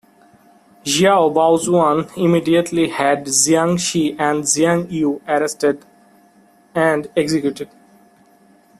Xiao Baojuan immediately had Jiang Shi and Jiang You arrested and executed.